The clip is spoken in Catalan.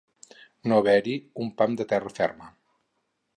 No haver-hi un pam de terra ferma.